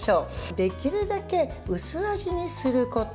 できるだけ薄味にすること。